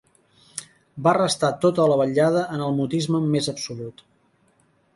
Va restar tota la vetllada en el mutisme més absolut.